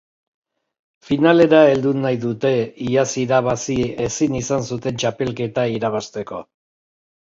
Finalera heldu nahi dute, iaz irabazi ezin izan zuten txapelketa irabazteko.